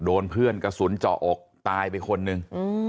โดนเพื่อนกระสุนเจาะอกตายไปคนหนึ่ง